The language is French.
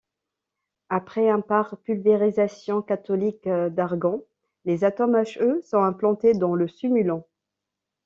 Après un par pulvérisation cathodique d'argon, les atomes He sont implantés dans le simulant.